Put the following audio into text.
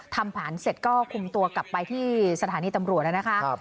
ทำแผนเสร็จก็คุมตัวกลับไปที่สถานีตำรวจแล้วนะคะ